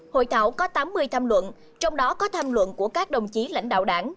hội thảo có tám mươi tham luận trong đó có tham luận của các đồng chí lãnh đạo đảng